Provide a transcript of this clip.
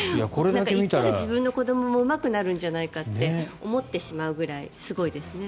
行ったら自分の子どももうまくなるんじゃないかって思ってしまうぐらいすごいですね。